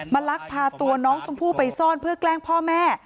ลักพาตัวน้องชมพู่ไปซ่อนเพื่อแกล้งพ่อแม่